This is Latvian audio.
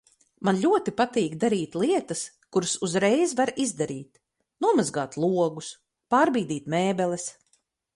Man ļoti patīk darīt lietas, kuras uzreiz var izdarīt. Nomazgāt logus. Pārbīdīt mēbeles.